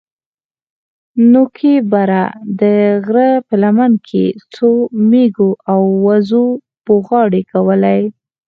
نوكي بره د غره په لمن کښې څو مېږو او وزو بوغارې کولې.